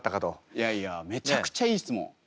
いやいやめちゃくちゃいい質問。